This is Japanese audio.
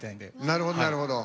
なるほどなるほど。